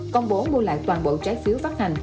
công bố mua lại toàn bộ trái phiếu phát hành